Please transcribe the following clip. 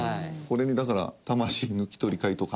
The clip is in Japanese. これにだから魂抜き取り会とか。